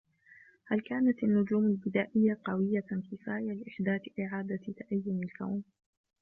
هل كانت النجوم البدائية قوية كفاية لإحداث إعادة تأيّن الكون؟